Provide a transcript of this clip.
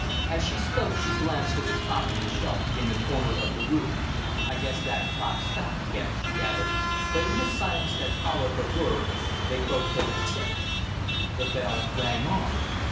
As she spoke she glanced at the clock on the shelf in the corner of the room. "I guess that clock's stopped again," she added, but in the silence that followed her words they both heard it tick. The bell rang on.